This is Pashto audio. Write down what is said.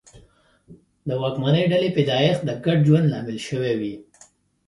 د واکمنې ډلې پیدایښت د ګډ ژوند لامل شوي وي.